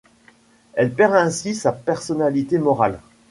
Elle perd ainsi sa personnalité morale.